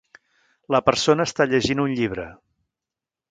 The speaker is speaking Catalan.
La persona està llegint un llibre.